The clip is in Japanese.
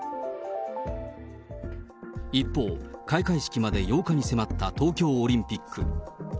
一方、開会式まで８日に迫った東京オリンピック。